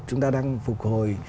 chúng ta đang phục hồi